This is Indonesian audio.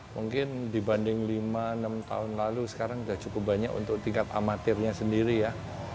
mungkin dibanding lima enam tahun lalu sekarang sudah cukup banyak untuk tingkat amatirnya sendiri ya